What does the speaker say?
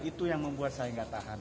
itu yang membuat saya gak tahan